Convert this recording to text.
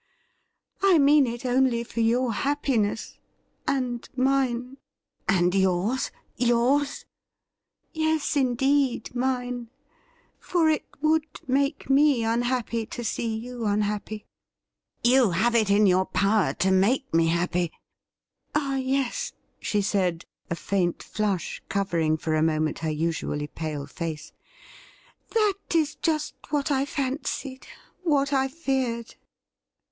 ' I mean it only for your happiness — and mine ——'' And yours ? Yours .?'' Yes, indeed, mine — for it would make me unhappy to see you unhappy.' 100 THE RIDDLE RING ' You have it in your power to make me happy— —*' Ah, yes,' she said, a faint flush covering for a moment her usually pale face ;' that is just what I fancied — what I feared